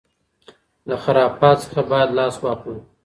له خرافاتو څخه بايد لاس واخلو.